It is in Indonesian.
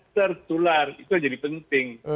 tertular itu jadi penting